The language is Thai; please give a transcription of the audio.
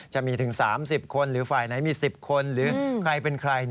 จะมีถึง๓๐คนหรือฝ่ายไหนมี๑๐คนหรือใครเป็นใคร